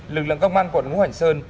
lực lượng công an quận ngu hành sơn